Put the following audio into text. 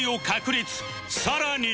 さらに